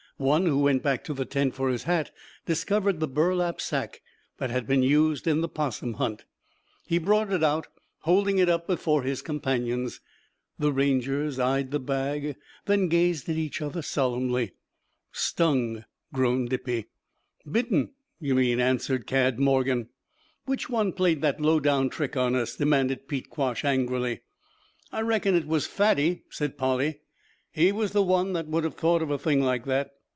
One who went back to the tent for his hat discovered the burlap sack that had been used in the 'possum hunt. He brought it out, holding it up before his companions. The Rangers eyed the bag, then gazed at each other solemnly. "Stung!" groaned Dippy. "Bitten, you mean," answered Cad Morgan. "Which one played that low down trick on us?" demanded Pete Quash angrily. "I reckon it was Fatty," said Polly. "He's the one that would have thought of a thing like that.